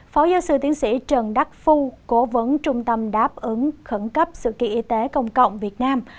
phó giáo sư tiến sĩ trần đắc phu cố vấn trung tâm đáp ứng khẩn cấp sự kiện y tế công cộng việt nam